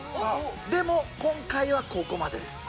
でも、今回はここまでです。